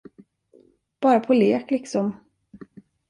Bara på lek liksom.